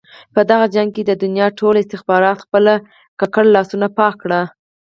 په دغه جګړه کې د دنیا ټولو استخباراتو خپل ککړ لاسونه پاک کړل.